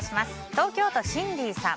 東京都の方。